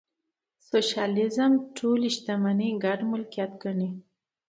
سوشیالیزم ټولې شتمنۍ ګډ ملکیت ګڼي.